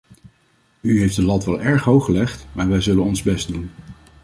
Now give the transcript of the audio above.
U heeft de lat wel erg hoog gelegd, maar wij zullen ons best doen.